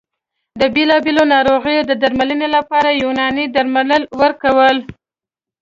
د بېلابېلو ناروغیو د درملنې لپاره یوناني درمل ورکول